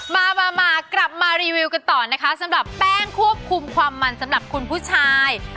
มามากลับมารีวิวกันต่อนะคะสำหรับแป้งควบคุมความมันสำหรับคุณผู้ชาย